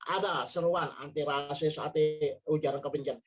ada seruan anti rasis saat ujar kebencana